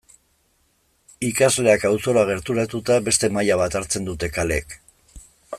Ikasleak auzora gerturatuta beste maila bat hartzen dute kaleek.